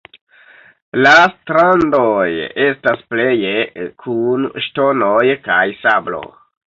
La strandoj estas pleje kun ŝtonoj kaj sablo.